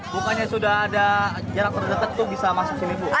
bukannya sudah ada jarak terdetek itu bisa masuk sini bu